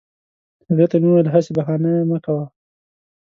هغې ته مې وویل هسي بهانې مه کوه